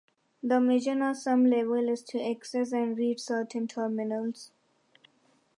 The mission of some levels is to access and read certain terminals.